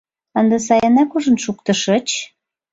— Ынде сайынак ужын шуктышыч?